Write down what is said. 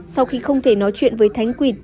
sau khi không thể nói chuyện với thánh quỳnh